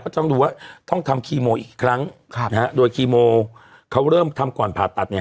ต้องดูว่าต้องทำคีโมอีกครั้งโดยคีโมเขาเริ่มทำก่อนผ่าตัดเนี่ย